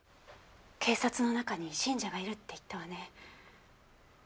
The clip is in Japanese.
警察の中に信者がいるって言ったわね。